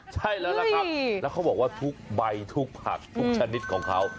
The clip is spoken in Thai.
ใช่แล้วล่ะครับแล้วเขาบอกว่าทุกใบทุกผักทุกชนิดของเขา